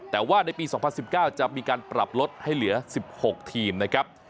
แต่ว่าในปี๒๐๑๙จะมีการปรับลดให้เหลือ๑๖ทีมนะครับ